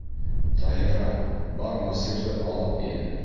Таһира, бар Насирҙы алып ин.